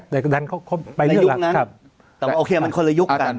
ในยุคนั้นแต่ว่าโอเคมันคนละยุคกัน